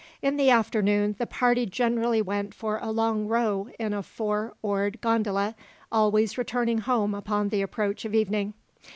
In the afternoon, the party generally went for a long row in a four oared gondola, always returning home upon the approach of evening.